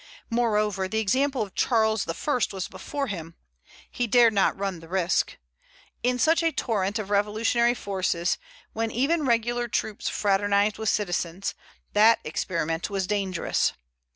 Moreover, the example of Charles I. was before him. He dared not run the risk. In such a torrent of revolutionary forces, when even regular troops fraternized with citizens, that experiment was dangerous.